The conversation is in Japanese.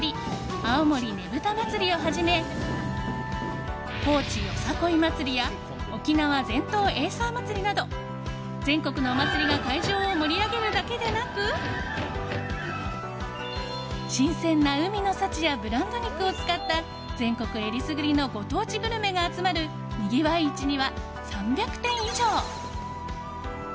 青森ねぶた祭をはじめ高知よさこい祭りや沖縄全島エイサーまつりなど全国のお祭りが会場を盛り上げるだけでなく新鮮な海の幸やブランド肉を使った全国選りすぐりのご当地グルメが集まるにぎわい市には３００店以上。